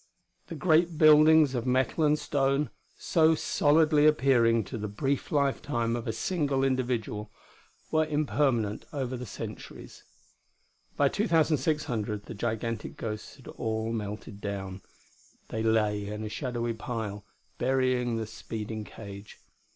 The great buildings of metal and stone, so solidly appearing to the brief lifetime of a single individual, were impermanent over the centuries. By 2600, the gigantic ghosts had all melted down. They lay in a shadowy pile, burying the speeding cage.